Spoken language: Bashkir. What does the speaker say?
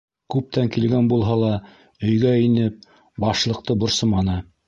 Күптән килгән булһа ла, өйгә инеп, Башлыҡты борсоманы.